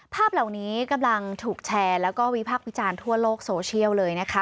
ภาพเหล่านี้กำลังถูกแชร์แล้วก็วิพักษ์วิจารณ์ทั่วโลกโซเชียลเลยนะคะ